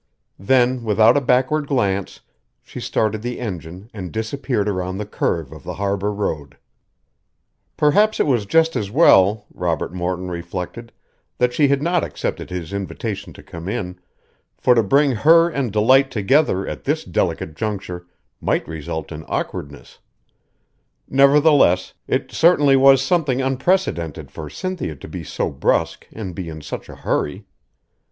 Then, without a backward glance, she started the engine and disappeared around the curve of the Harbor Road. Perhaps it was just as well, Robert Morton reflected, that she had not accepted his invitation to come in, for to bring her and Delight together at this delicate juncture might result in awkwardness; nevertheless, it certainly was something unprecedented for Cynthia to be so brusque and be in such a hurry.